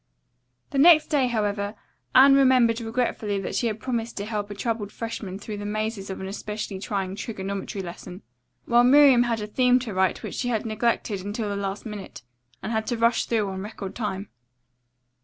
The next day, however, Anne remembered regretfully that she had promised to help a troubled freshman through the mazes of an especially trying trigonometry lesson, while Miriam had a theme to write which she had neglected until the last minute, and had to rush through on record time.